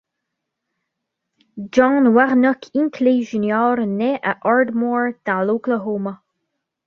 John Warnock Hinckley, Junior naît à Ardmore dans l'Oklahoma.